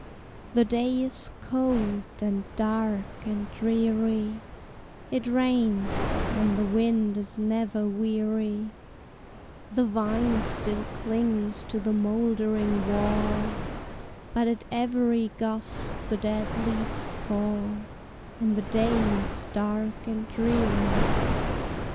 The day is cold, and dark, and dreary; It rains, and the wind is never weary; The vine still clings to the moldering wall, But at every gust the dead leaves fall, And the day is dark and dreary.